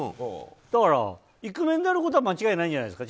だから、イクメンであることは間違いないんじゃないですか。